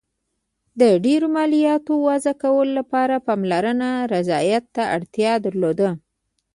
د ډېرو مالیاتو وضعه کولو لپاره پارلمان رضایت ته اړتیا درلوده.